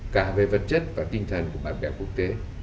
cả về vật chất và tinh thần của bạn bè quốc tế